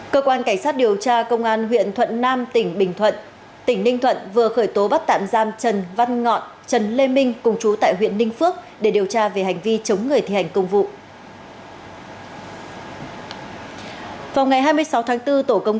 cơ quan cảnh sát điều tra công an huyện thuận nam tỉnh bình thuận tỉnh ninh thuận vừa khởi tố bắt tạm giam trần văn ngọn trần lê minh cùng chú tại huyện ninh phước để điều tra về hành vi chống người thi hành công vụ